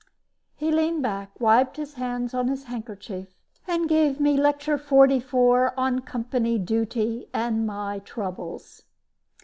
He leaned back, wiped his hands on his handkerchief and gave me Lecture Forty four on Company Duty and My Troubles.